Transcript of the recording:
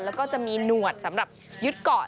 แล้วก็จะมีหนวดสำหรับยึดเกาะ